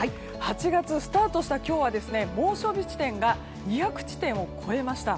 ８月スタートした今日は猛暑日地点が２００地点を超えました。